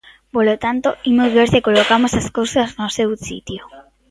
Polo tanto, imos ver se colocamos as cousas no seu sitio.